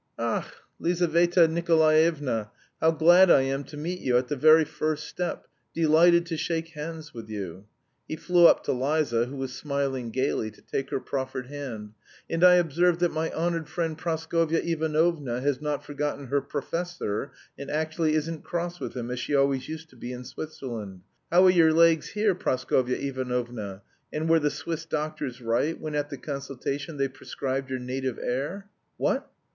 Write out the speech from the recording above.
"Ach, Lizaveta Nikolaevna, how glad I am to meet you at the very first step, delighted to shake hands with you." He flew up to Liza, who was smiling gaily, to take her proffered hand, "and I observe that my honoured friend Praskovya Ivanovna has not forgotten her 'professor,' and actually isn't cross with him, as she always used to be in Switzerland. But how are your legs, here, Praskovya Ivanovna, and were the Swiss doctors right when at the consultation they prescribed your native air? What?